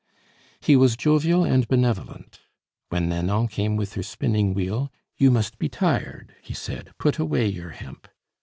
He was jovial and benevolent. When Nanon came with her spinning wheel, "You must be tired," he said; "put away your hemp."